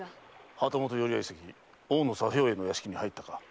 旗本寄合席・大野左兵衛の屋敷へ入ったか？